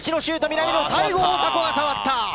南野、最後、大迫が触った。